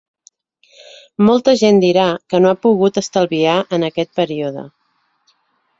Molta gent dirà que no ha pogut estalviar en aquest període.